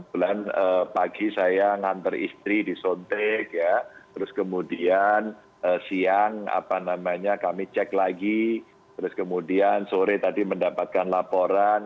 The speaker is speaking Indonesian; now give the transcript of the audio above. kemudian pagi saya nganter istri di sontek ya terus kemudian siang kami cek lagi terus kemudian sore tadi mendapatkan laporan